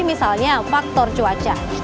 misalnya faktor cuaca